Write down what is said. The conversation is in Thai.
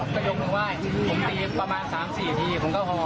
ก็ยกมือไหว้ผมตีประมาณ๓๔ทีผมก็ห่อ